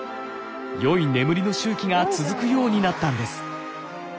よい眠りの周期が続くようになったんです。